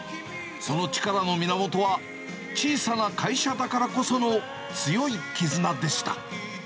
その力の源は、小さな会社だからこその強い絆でした。